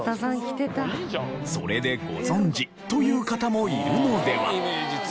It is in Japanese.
それでご存じという方もいるのでは？